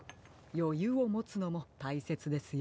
よゆうをもつのもたいせつですよ。